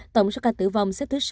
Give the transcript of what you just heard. tổng số ca tử vong xếp thứ sáu